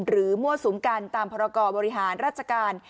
หรือมั่วสูงกันตามภรรกบริหารราชการ